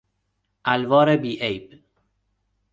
الوار بی عیب